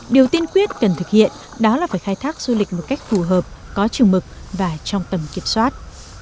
điều tiên quyết cần thực hiện đó là phải khai thác du lịch một cách phù hợp có trường mực và trong tầm kiểm soát